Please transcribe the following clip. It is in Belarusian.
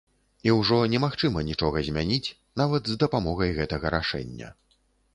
І ўжо не магчыма нічога змяніць, нават з дапамогай гэтага рашэння.